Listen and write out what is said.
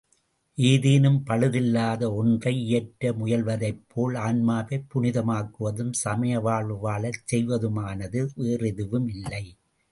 ஏதேனும் பழுதிலாத ஒன்றை இயற்ற முயல்வதைப்போல் ஆன்மாவைப் புனிதமாக்குவதும் சமயவாழ்வு வாழச் செய்வதுமானது வேறெதுவும் இல்லை.